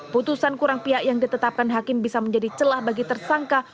putusan kurang pihak yang ditetapkan hakim bisa menjadi celah bagi tersangka